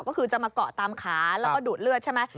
ก็คือจะมาเกาะตามขาแล้วก็ดูดเลือดใช่ไหม